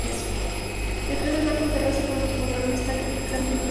Detrás del bar con terraza podemos encontrar un estanque perfectamente cuidado.